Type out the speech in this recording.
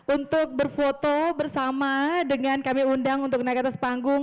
untuk berfoto bersama dengan kami undang untuk naik ke atas panggung